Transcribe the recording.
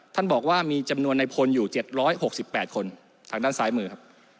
บอกว่ามีจำนวนในพลอยู่๗๖๘คนทางด้านซ้ายมือครับ